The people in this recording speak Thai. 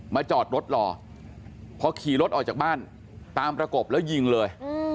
จอดรถรอพอขี่รถออกจากบ้านตามประกบแล้วยิงเลย